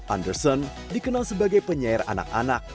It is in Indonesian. underson dikenal sebagai penyair anak anak